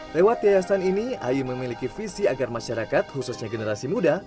lewat yayasan ini ayu memiliki visi agar masyarakat khususnya generasi muda